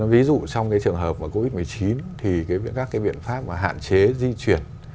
ví dụ trong cái trường hợp mà covid một mươi chín thì các cái biện pháp mà hạn chế di chuyển